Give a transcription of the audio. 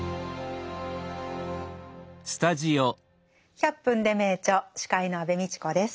「１００分ｄｅ名著」司会の安部みちこです。